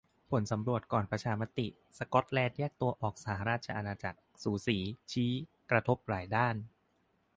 ผลสำรวจก่อนประชามติ สก๊อตแลนด์แยกตัวออกจากสหราชอาณาจักร"สูสี" ชี้ "กระทบหลายด้าน"